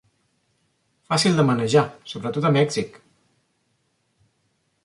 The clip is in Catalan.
Fàcil de manejar, sobretot a Mèxic.